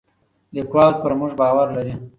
لیکوال پر موږ باور لري.